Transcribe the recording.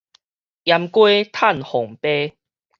閹雞趁鳳飛